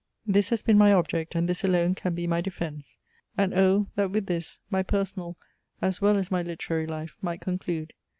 This has been my object, and this alone can be my defence and O! that with this my personal as well as my LITERARY LIFE might conclude!